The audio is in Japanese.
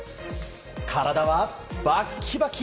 体は、バッキバキ！